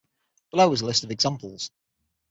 Below is a list of examples.